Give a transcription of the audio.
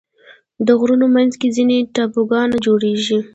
د غرونو منځ کې ځینې ټاپوګان جوړېږي.